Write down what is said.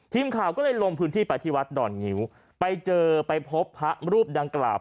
ทีมข่าวก็เลยลงพื้นที่ไปที่วัดดอนงิ้วไปเจอไปพบพระรูปดังกล่าว